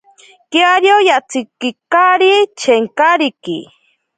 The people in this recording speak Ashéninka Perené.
Kiario yatsikikari chenkariki.